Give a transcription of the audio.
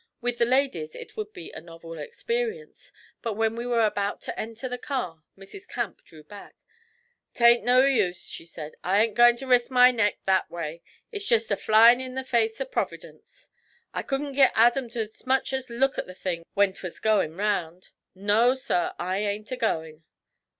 With the ladies it would be a novel experience, but when we were about to enter the car Mrs. Camp drew back. 'Tain't no use,' she said. 'I ain't goin' to risk my neck that way. It's jest a flyin' in the face of Providence! I couldn't git Adam to 'smuch as look at the thing when 'twas goin' round. No, sir, I ain't a going'!'